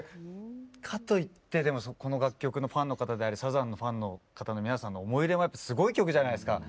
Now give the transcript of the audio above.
かといってでもこの楽曲のファンの方でありサザンのファンの方の皆さんの思い入れもやっぱすごい曲じゃないですか。